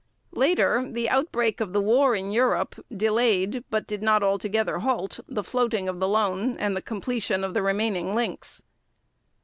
Later, the outbreak of war in Europe delayed, but did not altogether halt, the floating of the loan and the completion of the remaining links.